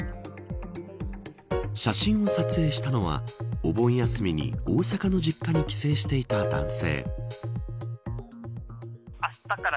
写真を撮影したのはお盆休みに大阪の実家に帰省していた男性。